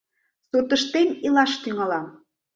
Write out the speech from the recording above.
Суртыштем илаш тӱҥалам...